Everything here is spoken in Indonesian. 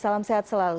salam sehat selalu